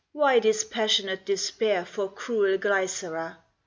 why this passionate despair For cruel Glycera?